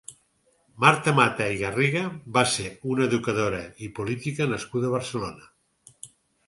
Marta Mata i Garriga va ser una educadora i política nascuda a Barcelona.